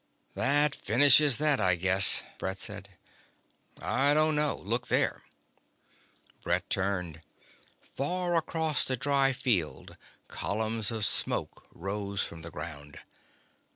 "That finishes that, I guess," Brett said. "I don't know. Look there." Brett turned. Far across the dry field columns of smoke rose from the ground.